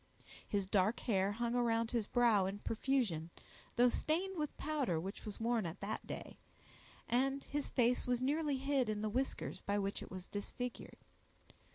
His dark hair hung around his brow in profusion, though stained with powder which was worn at that day, and his face was nearly hid in the whiskers by which it was disfigured.